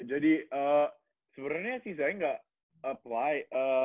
jadi sebenernya sih saya gak apply